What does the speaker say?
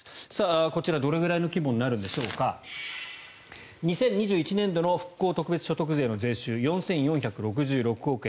こちら、どれくらいの規模になるんでしょうか２０２１年度の復興特別所得税の税収４４６６億円。